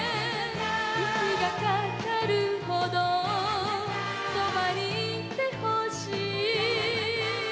「息がかかるほどそばにいてほしい」